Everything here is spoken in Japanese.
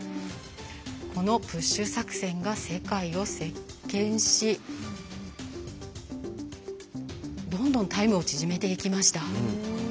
このプッシュ作戦が世界を席けんしどんどんタイムを縮めていきました。